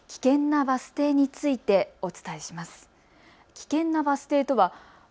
危険なバス停についてお伝えします。